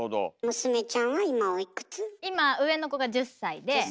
娘ちゃんは今おいくつ？